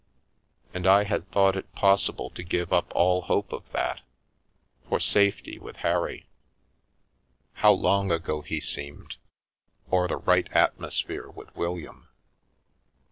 And I had thought it possible to give up all hope of that, for safety with Harry (how long ago he seemed!), or the "right atmosphere " with William.